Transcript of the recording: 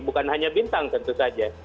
bukan hanya bintang tentu saja